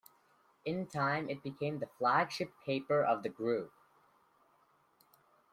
In time, it became the flagship paper of the group.